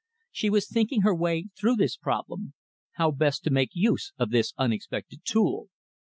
She was thinking her way through this problem how best to make use of this unexpected tool.